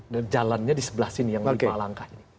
dan jalannya di sebelah sini yang lima langkah ini